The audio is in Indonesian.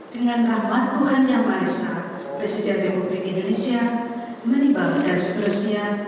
dengan rahmat tuhan yang maha esa presiden republik indonesia menimbangkan sekerasnya